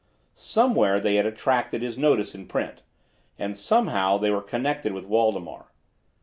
Somewhere they had attracted his notice in print; and somehow they were connected with Waldemar.